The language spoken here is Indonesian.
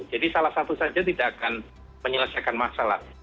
jadi salah satu saja tidak akan menyelesaikan masalah